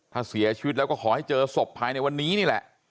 ถ้าเสียชีวิตแล้วก็ขอให้เจอศพภายในวันนี้นี่แหละ